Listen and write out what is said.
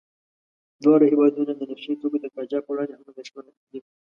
دواړه هېوادونه د نشه يي توکو د قاچاق په وړاندې هم اندېښمن دي.